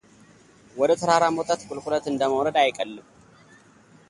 ወደ ተራራ መውጣት ቁልቁለት እንደ መውረድ አይቀልም